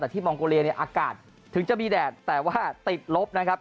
แต่ที่มองโกเลียเนี่ยอากาศถึงจะมีแดดแต่ว่าติดลบนะครับ